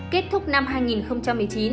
kết thúc năm hai nghìn một mươi chín